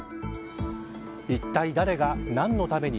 いったい誰が何のために。